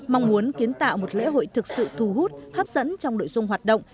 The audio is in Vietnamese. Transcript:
mong muốn kiến tạo một lễ hội thực sự thu hút hấp dẫn trong nội dung hoạt động